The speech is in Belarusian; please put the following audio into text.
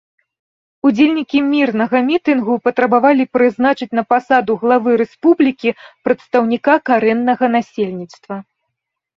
Удзельнікі мірнага мітынгу патрабавалі прызначыць на пасаду главы рэспублікі прадстаўніка карэннага насельніцтва.